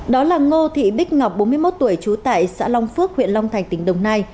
đó là ngô thị bích ngọc bốn mươi một tuổi trú tại xã long phước huyện long thành tỉnh đồng nai